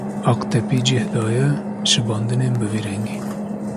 Aqtepî cih daye şibandinên bi vî rengî.